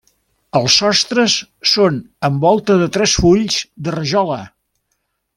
Els sostres són en volta de tres fulls de rajola.